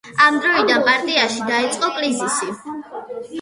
ამ დროიდან პარტიაში დაიწყო კრიზისი.